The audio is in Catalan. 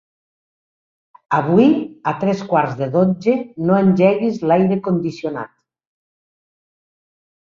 Avui a tres quarts de dotze no engeguis l'aire condicionat.